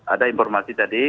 ada informasi tadi